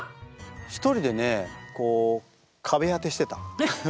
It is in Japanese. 一人でねこう壁当てしてた。